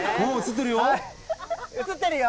映ってるよ。